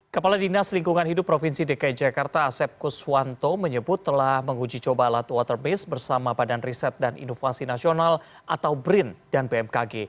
kepala dinas lingkungan hidup provinsi dki jakarta asep kuswanto menyebut telah menguji coba alat water base bersama badan riset dan inovasi nasional atau brin dan bmkg